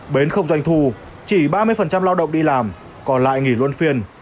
bến không doanh thu chỉ ba mươi lao động đi làm còn lại nghỉ luân phiên